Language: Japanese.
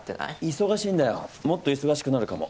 忙しいんだよもっと忙しくなるかも。